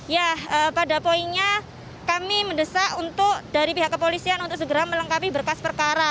ya pada poinnya kami mendesak untuk dari pihak kepolisian untuk segera melengkapi berkas perkara